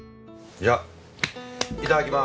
じゃあいただきます。